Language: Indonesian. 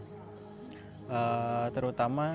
sebenarnya bicara penting pendidikan di baduy itu sangat penting